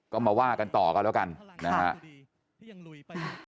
ก็มาว่ากันต่อกันแล้วกันนะฮะ